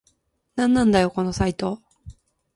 なんなんだよこのサイト